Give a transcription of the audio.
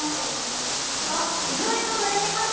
あっ意外と悩みますね。